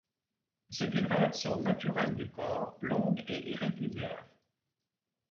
C'est une réaction naturelle du corps, longue et irrégulière.